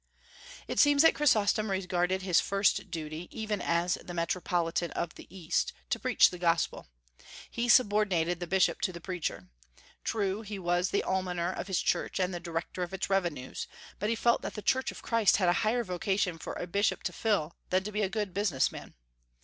It seems that Chrysostom regarded his first duty, even as the Metropolitan of the East, to preach the gospel. He subordinated the bishop to the preacher. True, he was the almoner of his church and the director of its revenues; but he felt that the church of Christ had a higher vocation for a bishop to fill than to be a good business man.